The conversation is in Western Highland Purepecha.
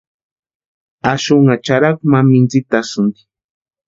Axunha charhaku ma mintsitasïnti.